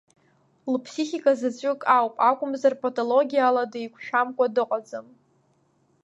Лыԥсихика заҵәык ауп, акәымзар патологиала деиқәшәамкәа дыҟаӡам.